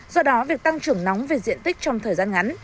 do đó việc tăng trưởng nóng về diện tích trong thời gian ngắn